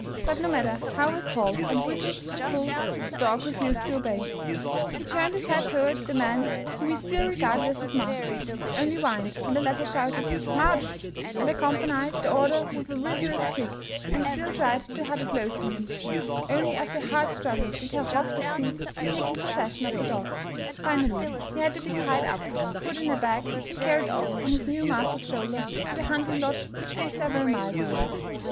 " But no matter how he called and whistled and pulled, the dog refused to obey. He turned his head toward the man whom he still regarded as his master, only whined when the latter shouted '' March !'' and accompanied the KRAMBAMBULI 419 order with a vigorous kick, and still tried to huddle close to him. Only after a hard struggle did Herr Hopp succeed in taking possession of the dog. Finally he had to be tied up, put in a bag, and carried off on his new master's shoulder to the hunting lodge which lay several miles away.